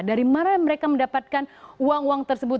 dari mana mereka mendapatkan uang uang tersebut